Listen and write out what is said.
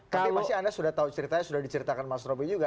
tapi pasti anda sudah tahu ceritanya sudah diceritakan mas roby juga